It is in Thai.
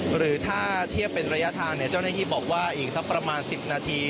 หรือถ้าเทียบเป็นระยะทางเจ้าหน้าที่บอกว่าอีกสักประมาณ๑๐นาที